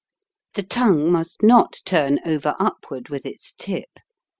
The tongue must not turn over upward with its tip.